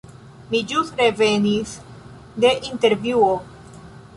Mi ĵus revenis de intervjuo.